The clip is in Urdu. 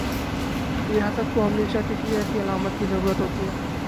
ریاست کو ہمیشہ کسی ایسی علامت کی ضرورت ہوتی ہے۔